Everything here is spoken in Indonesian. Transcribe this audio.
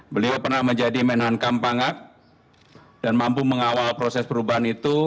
beliau juga pernah menjadi menko polukam